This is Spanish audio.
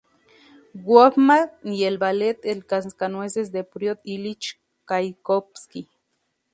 Hoffmann y el ballet "El cascanueces" de Piotr Ilich Chaikovski.